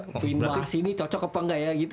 puin bahas ini cocok apa nggak ya gitu